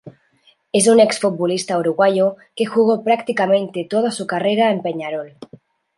Es un ex-futbolista uruguayo que jugó prácticamente toda su carrera en Peñarol.